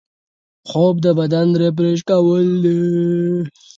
خوب د بدن ریفریش کول دي